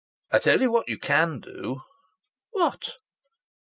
"I tell you what you can do!" "What?"